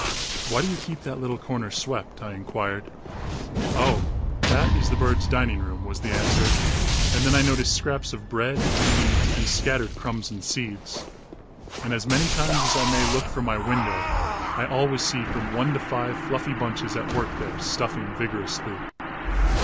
"Why do you keep that little corner swept?" I inquired. "Oh, that is the birds' dining room," was the answer, and then I noticed scraps of bread and meat and scattered crumbs and seeds. And as many times as I may look from my windows I always see from one to five fluffy bunches at work there stuffing vigorously.